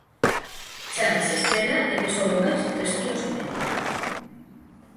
Chámase Estrela e pesou máis de tres quilos e medio.